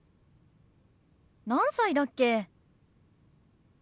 何歳だっけ？